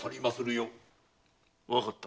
わかった。